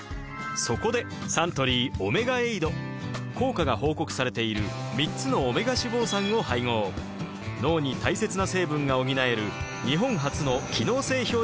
そこでサントリー「オメガエイド」効果が報告されている３つのオメガ脂肪酸を配合脳に大切な成分が補える日本初の機能性表示食品です